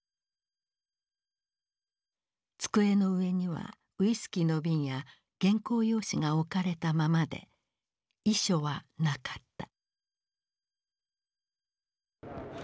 机の上にはウイスキーの瓶や原稿用紙が置かれたままで遺書はなかった。